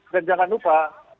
dan jangan lupa